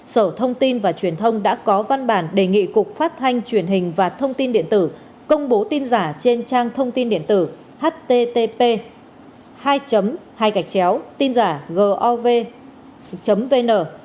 sở thông tin và truyền thông đã có văn bản đề nghị cục phát thanh truyền hình và thông tin điện tử công bố tin giả trên trang thông tin điện tử http hai hai gov vn